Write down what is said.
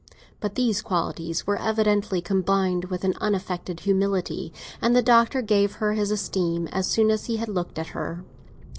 But these qualities were evidently combined with an unaffected humility, and the Doctor gave her his esteem as soon as he had looked at her.